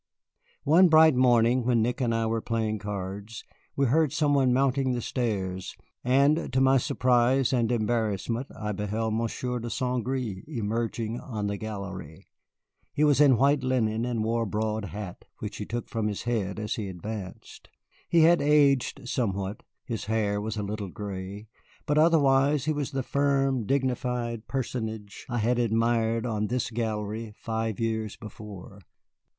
One bright morning, when Nick and I were playing cards, we heard some one mounting the stairs, and to my surprise and embarrassment I beheld Monsieur de St. Gré emerging on the gallery. He was in white linen and wore a broad hat, which he took from his head as he advanced. He had aged somewhat, his hair was a little gray, but otherwise he was the firm, dignified personage I had admired on this same gallery five years before.